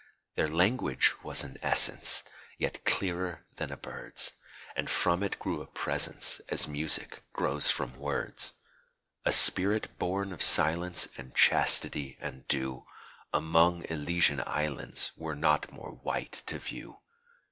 Their language was an essence, Yet clearer than a bird's; And from it grew a presence As music grows from words. A spirit born of silence And chastity and dew Among Elysian islands Were not more white to view.